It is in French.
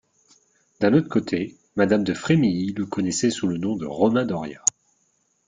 D'un autre côté, madame de Frémilly le connaissait sous le nom de Romain Doria.